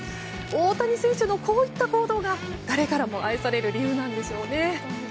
大谷選手のこういった行動が誰からも愛される理由なんでしょうね。